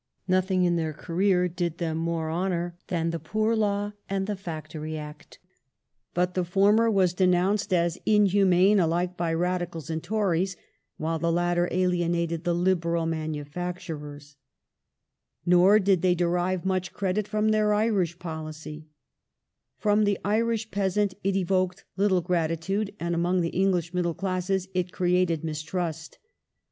Nothing in their MinUtry, career did them more honour than the Poor Law and the Factory ^^P^ '^4' I Memoirs, a. 22. 1841] FALL OF THE MELBOURNE MINISTRY 143 Act ; but the former was denounced as inhuman alike by Radicals and Tories, while the latter alienated the Liberal manufacturers. Nor did they derive much credit from their Irish policy. From the Irish peasant it evoked little gi'atitude, and among the English middle classes it created mistrust.